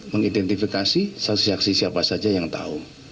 mengidentifikasi saksi saksi siapa saja yang tahu